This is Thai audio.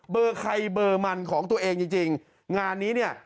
เบอร์ใครเบอร์มันของตัวเองจริงจริงงานนี้เนี่ย